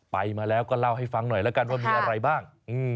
ไปมาแล้วก็เล่าให้ฟังหน่อยแล้วกันว่ามีอะไรบ้าง